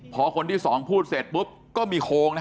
พอคนที่๒พูดเสร็จปุ๊บต้องมีโค้งนะ